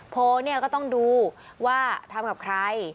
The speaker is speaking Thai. โพลเนี่ยก็ต้องดูว่าทำกับใคร